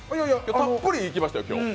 たっぷりいきましたよ今日は。